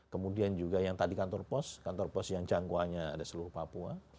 kemudian juga yang tadi kantor pos kantor pos yang jangkauannya ada seluruh papua